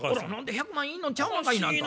１００万いんのんちゃうのんかいなあんた。